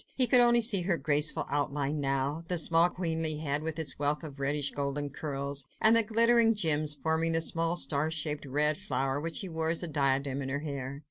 He could only see her graceful outline now, the small queenly head, with its wealth of reddish golden curls, and the glittering gems forming the small, star shaped, red flower which she wore as a diadem in her hair.